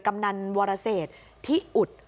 กำนันวรเศษที่อุด